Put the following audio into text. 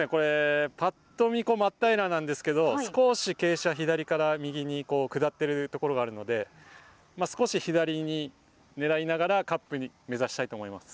パッと見真っ平らなんですけど少し傾斜、左から右に下ってるところがあるので少し左に狙いながらカップを目指したいと思います。